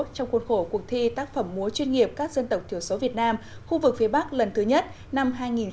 trong khuôn khổ cuộc thi tác phẩm múa chuyên nghiệp các dân tộc thiểu số việt nam khu vực phía bắc lần thứ nhất năm hai nghìn một mươi chín